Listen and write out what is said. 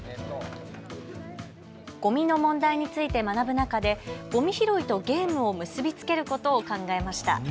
ごみの問題について学ぶ中でごみ拾いとゲームを結び付けることを考えました。